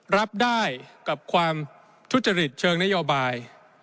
รับได้กับความทุจริตเชิงนโยบาย